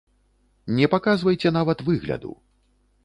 Не паказвайце нават выгляду.